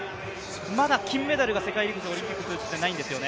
まだ金メダルが世界陸上、オリンピック通じてないんですよね。